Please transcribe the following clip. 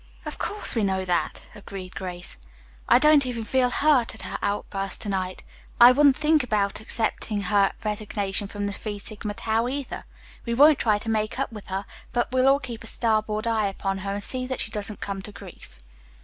"Of course, we know that," agreed Grace. "I don't even feel hurt at her outburst to night. I wouldn't think of accepting her resignation from the Phi Sigma Tau, either. We won't try to make up with her, but we'll all keep a starboard eye upon her, and see that she doesn't come to grief."